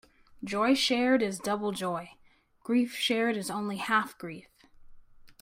Joy shared is double joy; grief shared is only half grief.